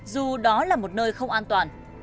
dù đó là một nơi không an toàn